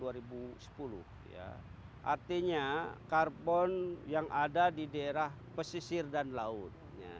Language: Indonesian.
artinya karbon yang ada di daerah pesisir dan laut